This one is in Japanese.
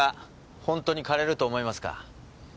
本当に枯れると思いますか？